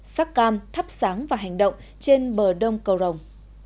sắc cam thắp sáng và hành động trên bờ đông cầu rồng